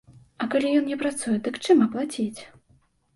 А калі ён не працуе, дык, чым аплаціць?